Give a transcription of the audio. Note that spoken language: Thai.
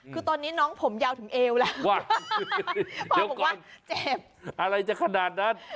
คือตอนนี้น้องผมยาวถึงเอวแล้วว่ะเดี๋ยวบอกว่าเจ็บอะไรจะขนาดนั้น